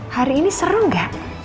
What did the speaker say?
hari ini seru gak